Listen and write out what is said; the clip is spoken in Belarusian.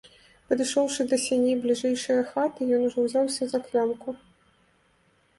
Падышоўшы да сяней бліжэйшае хаты, ён ужо ўзяўся за клямку.